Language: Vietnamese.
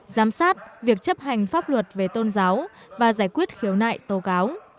giám sát việc chấp hành pháp luật về tôn giáo và giải quyết khiếu nại tố cáo